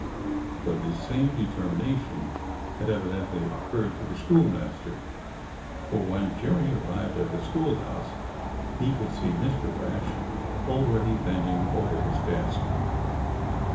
But this same determination had evidently occurred to the school master, for when Jerry arrived at the schoolhouse he could see Mr. Rash already bending over his desk.